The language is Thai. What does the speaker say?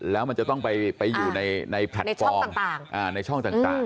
แล้วมันจะต้องไปอยู่ในช่องต่าง